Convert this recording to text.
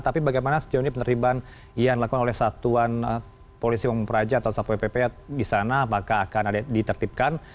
tapi bagaimana setiap ini penerimaan yang dilakukan oleh satuan polisi pemerintah atau ppp di sana apakah akan ditertibkan